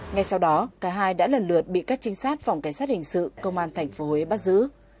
ngay sau đó cả hai đã lần lượt bị các trinh sát phòng cảnh sát hình sự công an tp huế bắt giữ